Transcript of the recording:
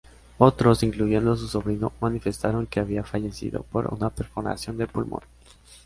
Otros, incluyendo su sobrino, manifestaron que había fallecido por una perforación de pulmón.